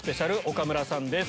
岡村さんです。